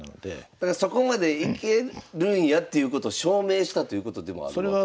だからそこまでいけるんやっていうことを証明したということでもあるわけですか。